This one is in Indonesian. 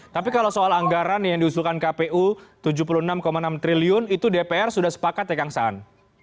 tapi kalau soal anggaran yang diusulkan kpu rp tujuh puluh enam enam triliun itu dpr sudah sepakat ya kang saan